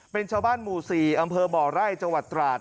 เป็นชาวบ้านหมู่๔อำเภอบ่อไร่จังหวัดตราด